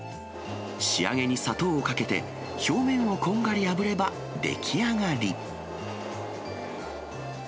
仕上げに砂糖をかけて、表面をこんがりあぶれば出来上がり。